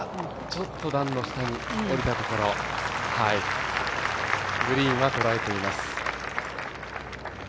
ちょっと段の下におりたところグリーンは捉えています。